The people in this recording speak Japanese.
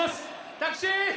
タクシー！